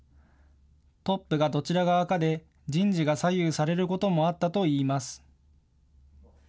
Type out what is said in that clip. トップがどちら側かで人事が左右されることもあったといいます。